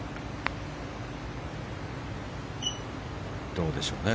どうでしょうね。